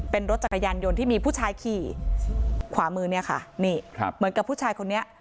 เป็นรถจักรยานยนต์ที่มีผู้ชายขี่ขวามือเนี่ยค่ะนี่ครับเหมือนกับผู้ชายคนนี้